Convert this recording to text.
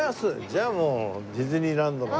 じゃあもうディズニーランドの。